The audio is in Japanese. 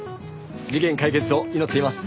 事件解決を祈っています。